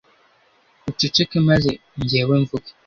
uceceke, maze jyewe mvuge